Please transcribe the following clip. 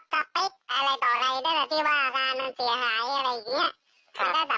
คือรถสติ๊กอะไรต่อไหร่ด้วยกับที่ว่าอาคารมันเสียหายอะไรอย่างเงี้ยแต่ก็สามารถทำได้